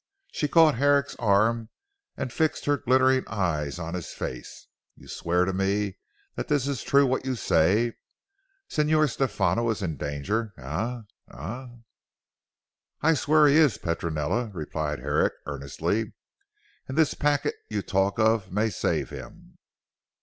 She caught Herrick's arm and fixed her glittering eyes on his face. "You swear to me that this is true what you say? Signor Stefano is in danger. Eh? Eh?" "I swear he is Petronella," replied Herrick earnestly, "and this packet you talk of may save him."